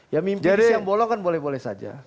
ya mimpi yang bolong kan boleh boleh saja